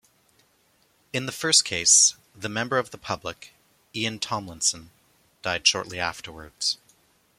In the first case, the member of the public, Ian Tomlinson, died shortly afterwards.